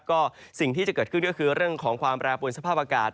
ก็สิ่งที่จะเกิดขึ้นก็คือเรื่องของความแปรปวนสภาพอากาศ